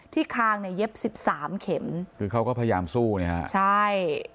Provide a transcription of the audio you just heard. ที่ข้างเนี่ยเย็บ๑๓เข็มคือเขาก็พยายามสู้เนี่ยค่ะใช่